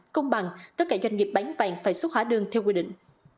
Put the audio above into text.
công bằng tất cả doanh nghiệp bán vàng phải xuất hóa đơn theo quy định